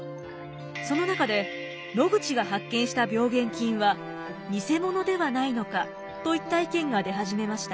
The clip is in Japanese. その中で「ノグチが発見した病原菌はニセモノではないのか？」といった意見が出始めました。